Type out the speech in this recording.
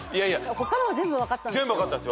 他のは全部分かったんですよ。